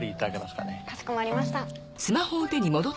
かしこまりました。